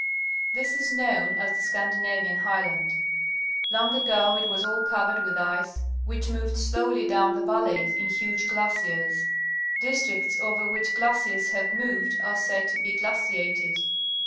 This is known as the Scandinainnn Highland. Long ago it was all covered with ice, which moved slowly down the valleys in huge glaciers. Districts over which glaciers have moved are said to be glaciated.